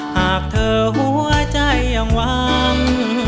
หากเธอหัวใจยังหวัง